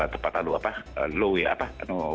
tepat hal low ya